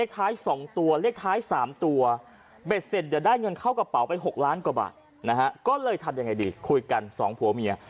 ก็เลยทำยังไงดีคุยกัน๒ผัวเมีย